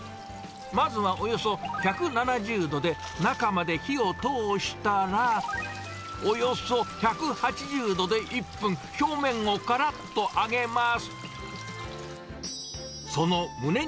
まずはおよそ１７０度で中まで火を通したら、およそ１８０度で１分、表面をからっと揚げます。